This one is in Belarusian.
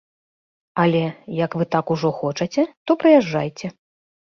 Але, як вы так ужо хочаце, то прыязджайце.